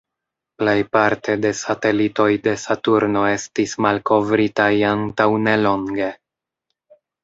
Plejparte de satelitoj de Saturno estis malkovritaj antaŭ nelonge.